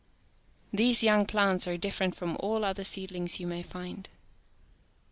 These young plants are different from all other seedHngs you may find.